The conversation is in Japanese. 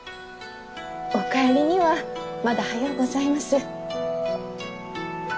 お帰りにはまだ早うございます。